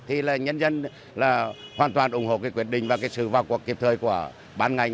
thì là nhân dân hoàn toàn ủng hộ quyết định và sự vào cuộc kiếp thời của bán ngành